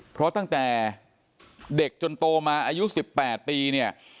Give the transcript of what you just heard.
เพราะตั้งแต่เด็กจนโตมาอายุ๑๘ปีเนี่ย